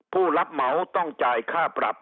ผู้รับเหมาต้องจ่ายค่าปรับ